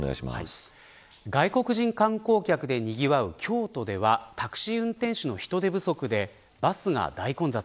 外国人観光客でにぎわう京都ではタクシー運転手の人手不足でバスが大混雑。